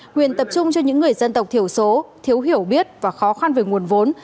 quyền tập trung cho những người dân tộc thiểu số thiếu hiểu biết và khó khăn về nguồn vốn